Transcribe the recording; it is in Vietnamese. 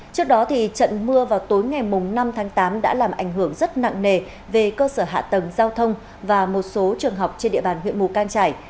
trước đó trận mưa vào tối ngày năm tháng tám đã làm ảnh hưởng rất nặng nề về cơ sở hạ tầng giao thông và một số trường học trên địa bàn huyện mù cang trải